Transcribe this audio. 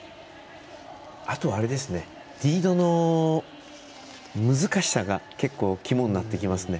あと、リードの難しさが、結構肝になってきますね。